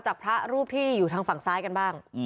พระรูปที่อยู่ทางฝั่งซ้ายกันบ้าง